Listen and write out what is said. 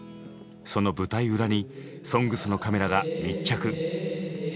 その舞台裏に「ＳＯＮＧＳ」のカメラが密着。